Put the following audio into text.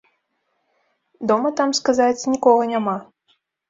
Дома там, сказаць, нікога няма.